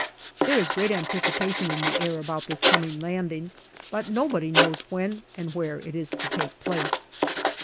There is great anticipation in the air about this coming landing, but nobody knows when and where it is to take place.